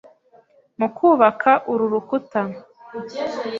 mu kubaka uru rukuta